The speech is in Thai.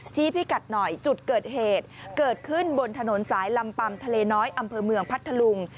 พิกัดหน่อยจุดเกิดเหตุเกิดขึ้นบนถนนสายลำปัมทะเลน้อยอำเภอเมืองพัทธลุง